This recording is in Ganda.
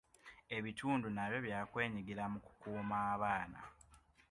Ebitundu nabyo bya kwenyigira mu kukuuma abaana.